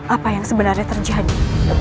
apa yang sebenarnya terjadi